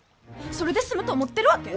それで済むと思ってるわけ？